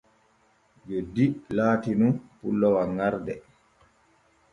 Joddi laati nun pullo wanŋarde.